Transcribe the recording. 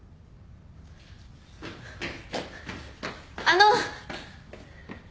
あの！